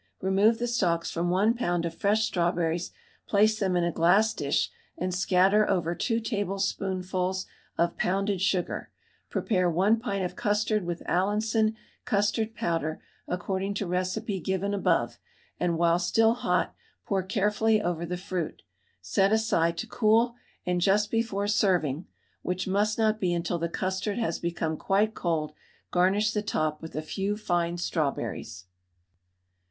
Remove the stalks from 1 lb. of fresh strawberries, place them in a glass dish and scatter over 2 tablespoonfuls of pounded sugar; prepare 1 pint of custard with Allinson custard powder according to recipe given above, and while still hot pour carefully over the fruit, set aside to cool, and just before serving (which must not be until the custard has become quite cold) garnish the top with a few fine strawberries.